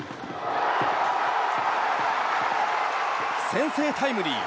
先制タイムリー！